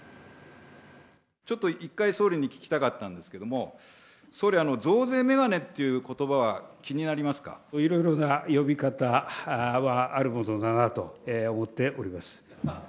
ちょっと一回、総理に聞きたかったんですけども、総理、増税メガネということばは、いろいろな呼び方はあるものだなと思っております。